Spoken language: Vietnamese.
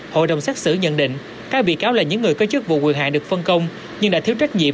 hội đồng xét xử nhận định các bị cáo là những người có chức vụ quyền hạn được phân công nhưng đã thiếu trách nhiệm